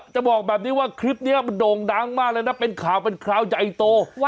จะบอกแบบนี้ว่าคลิปนี้มันโด่งดังมากเลยนะเป็นข่าวเป็นคราวใหญ่โต